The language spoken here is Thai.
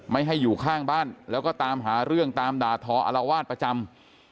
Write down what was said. ไม่ให้อยู่ข้างบ้านแล้วก็ตามหาเรื่องตามด่าทออารวาสประจำ